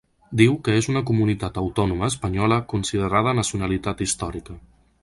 Diu que és una comunitat autònoma espanyola, ‘considerada nacionalitat històrica’.